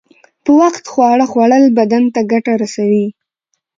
په وخت خواړه خوړل بدن ته گټه رسوي.